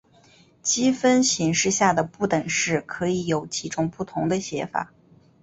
积分形式下的不等式可以有几种不同的写法。